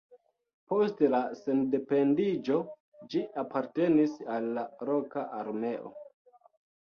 Post la sendependiĝo ĝi apartenis al la loka armeo.